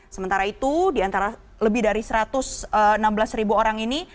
sementara itu di antara lebih dari satu ratus enam belas ribu orang ini